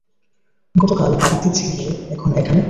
গতকাল বাড়িতে ছিলে এখন এখানে।